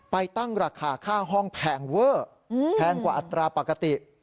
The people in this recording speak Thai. ตั้งราคาค่าห้องแพงเวอร์แพงกว่าอัตราปกติ